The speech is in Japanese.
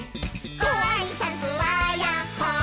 「ごあいさつはやっほー☆」